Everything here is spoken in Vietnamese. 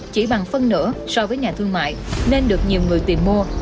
chỉ bằng phân nửa so với nhà thương mại nên được nhiều người tìm mua